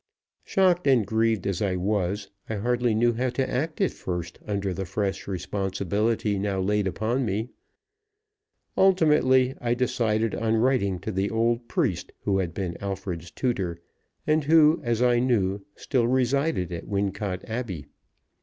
Shocked and grieved as I was, I hardly knew how to act at first under the fresh responsibility now laid upon me. Ultimately I decided on writing to the old priest who had been Alfred's tutor, and who, as I knew, still resided at Wincot Abbey.